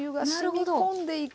あなるほど！